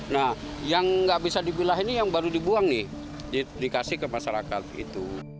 nah yang nggak bisa dipilah ini yang baru dibuang nih dikasih ke masyarakat itu